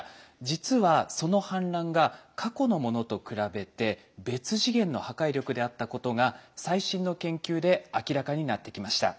実はその氾濫が過去のものと比べて別次元の破壊力であったことが最新の研究で明らかになってきました。